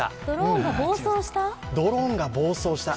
ドローンが暴走した？